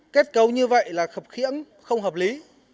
kết cấu như vậy là khập khiễng không hợp lý